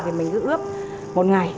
thì mình cứ ướp một ngày